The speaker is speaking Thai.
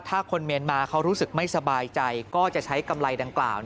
ถ้าคนเมียนมาเขารู้สึกไม่สบายใจก็จะใช้กำไรดังกล่าว